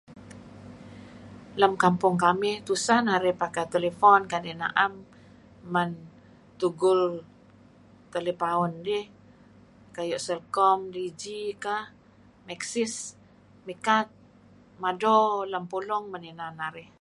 Lem kampong kamih tuseh narih pakai telephone kdi' naem man tugul telepaun dih kayu' Celcom, DiGi kah, Maxis. Mikat, mado lem pulung inan narih.